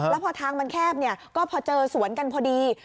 แล้วพอทางมันแคบก็พอเจอสวนกันพอดี